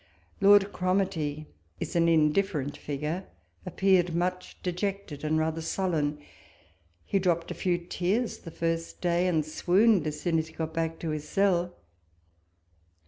Lord Cromartie is an indifferent figure, appeared much dejected, and rather sullen : he dropped a few tears the first day, and swooned as soon as he got back to his cell.